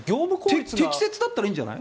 適切だったらいいんじゃない？